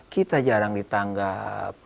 kita jarang ditanggap